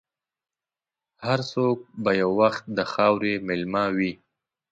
هر څوک به یو وخت د خاورې مېلمه وي.